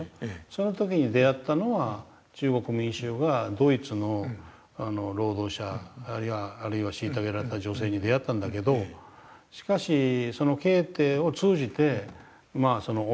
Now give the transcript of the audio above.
その時に出会ったのは中国民衆はドイツの労働者あるいは虐げられた女性に出会ったんだけどしかしそのケーテを通じて沖縄の人々に出会った。